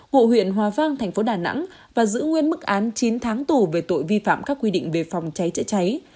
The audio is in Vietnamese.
hộ huyện hòa vang tp đà nẵng và giữ nguyên mức án chín tháng tù về tội vi phạm các quy định về phòng cháy cháy cháy